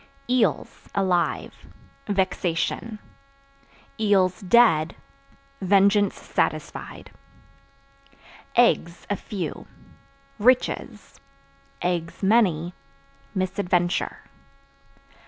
Eels (Alive) vexation; (dead) vengeance satisfied. Eggs (A few) riches; (many) misadventure.